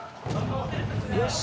よし！